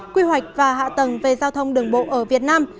quy hoạch và hạ tầng về giao thông đường bộ ở việt nam